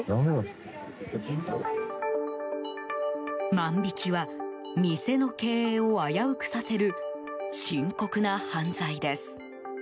万引きは店の経営を危うくさせる深刻な犯罪です。